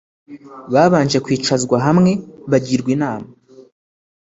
Babanje kwicazwa hamwe bagirwa inama